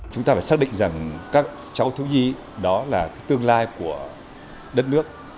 chúng ta phải xác định rằng các cháu thiếu nhi đó là tương lai của đất nước